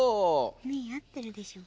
メイ合ってるでしょう。